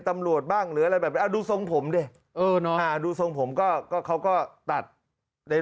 ตำรวจบ้างหรืออะไรแบบดูทรงผมดิดูทรงผมก็เขาก็ตัดใน